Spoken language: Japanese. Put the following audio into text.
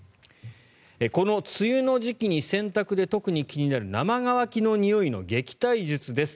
この梅雨の時期に洗濯で特に気になる生乾きのにおいの撃退術です。